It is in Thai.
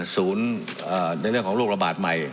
ในเรื่องของโรคระบาดใหม่